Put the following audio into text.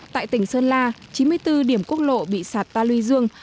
tại tỉnh sơn la chín mươi bốn điểm quốc lộ bị sạt ta luy dương